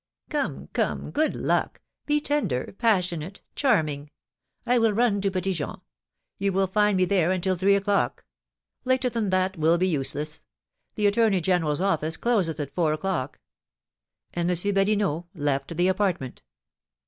"Come, come, good luck; be tender, passionate, charming. I will run to Petit Jean; you will find me there until three o'clock; later than that will be useless; the attorney general's office closes at four o'clock." And M. Badinot left the apartment.